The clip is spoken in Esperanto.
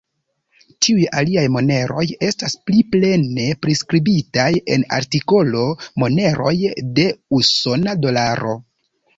Tiuj aliaj moneroj estas pli plene priskribitaj en artikolo Moneroj de usona dolaro.